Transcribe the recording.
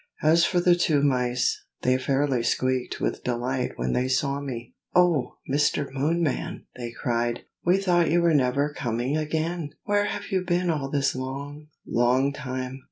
As for the two mice, they fairly squeaked with delight when they saw me. "Oh! Mr. Moonman!" they cried, "we thought you were never coming again! where have you been all this long, long time?"